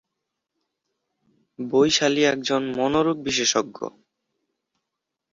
বৈশালী একজন মনোরোগ বিশেষজ্ঞ।